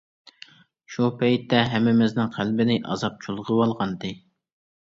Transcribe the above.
شۇ پەيتتە ھەممىمىزنىڭ قەلبىنى ئازاب چۇلغىۋالغانىدى.